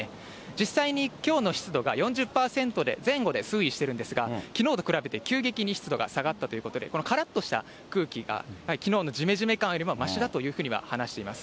実際にきょうの湿度が４０％で、前後で推移してるんですが、きのうと比べて急激に湿度が下がったということで、このからっとした空気が、きのうのじめじめ感よりもましだというふうには話しています。